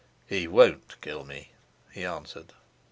"He won't kill me," he answered.